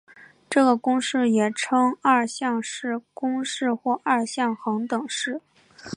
这个公式也称二项式公式或二项恒等式。